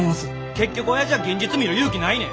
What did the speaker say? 結局おやじは現実見る勇気ないねん。